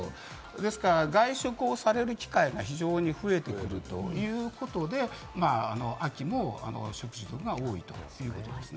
ですから、外食をされる機会が非常に増えていくということで、秋も食中毒が多いということなんですね。